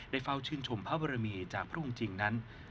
เฝ้าชื่นชมพระบรมีจากพระองค์จริงนั้น